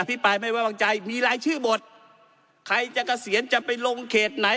ปลายไม่ไว้วางใจมีรายชื่อหมดใครจะเกษียณจะไปลงเขตไหน